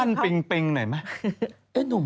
ฟ่านปิงปิงหน่อยไหม